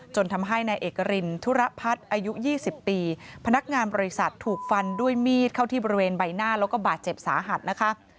ทำให้นายเอกรินธุระพัฒน์อายุ๒๐ปีพนักงานบริษัทถูกฟันด้วยมีดเข้าที่บริเวณใบหน้าแล้วก็บาดเจ็บสาหัสนะคะ